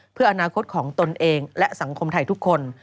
เพื่ออนาคตของตนเองและสังคมไทยทุกคน